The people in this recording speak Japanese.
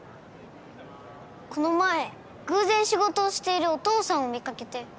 この前偶然仕事をしているお父さんを見かけて。